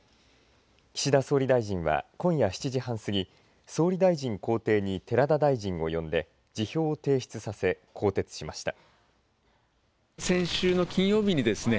岸田総理大臣は今夜７時半過ぎ総理大臣公邸に寺田大臣を呼んで辞表を提出させ更迭しました。